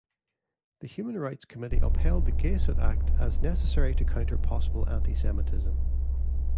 The Human Rights Committee upheld the Gayssot Act as necessary to counter possible antisemitism.